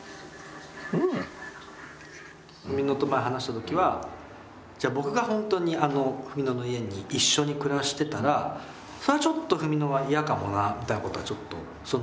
文野と前話した時は僕が本当に文野の家に一緒に暮らしてたらそれはちょっと文野は嫌かもなみたいなことはちょっと。